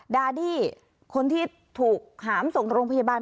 ดาดี้คนที่ถูกหามส่งโรงพยาบาล